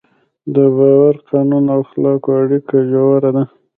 د باور، قانون او اخلاقو اړیکه ژوره ده.